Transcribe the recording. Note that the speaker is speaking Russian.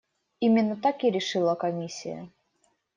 Именно так и решила комиссия.